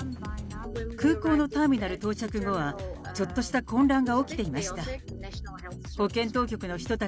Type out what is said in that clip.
空港のターミナル到着後は、ちょっとした混乱が起きていました。